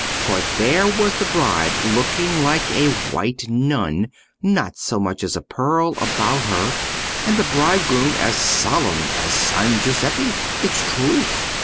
For there was the bride looking like a white nun—not so much as a pearl about her—and the bridegroom as solemn as San Giuseppe. It's true!